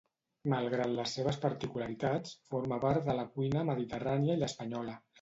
Malgrat les seves particularitats, forma part de la cuina mediterrània i l'espanyola.